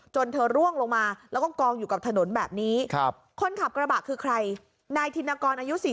เธอร่วงลงมาแล้วก็กองอยู่กับถนนแบบนี้คนขับกระบะคือใครนายธินกรอายุ๔๐